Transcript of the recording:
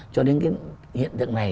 cho đến hiện tượng này